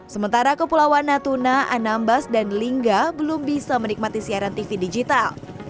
sementara kepulauan natuna anambas dan lingga belum bisa menikmati siaran tv digital